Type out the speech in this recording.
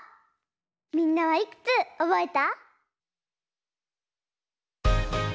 みんなはいくつおぼえた？